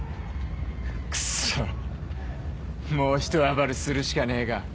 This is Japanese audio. クソっもうひと暴れするしかねえか。